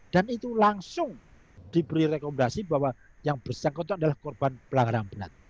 dan itu langsung diberi rekomendasi bahwa yang bersikap kotor adalah korban pelanggaran berat